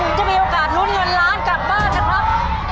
จะมีโอกาสลุ้นเงินล้านกลับบ้านนะครับ